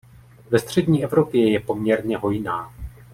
Ve střední Evropě je poměrně hojná.